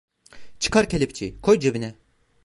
Çıkar kelepçeyi, koy cebine!